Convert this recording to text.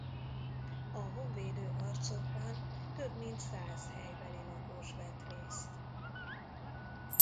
A honvédő harcokban több mint száz helybeli lakos vett részt.